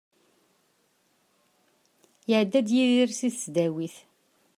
Iεedda-d Yidir si tesdawit.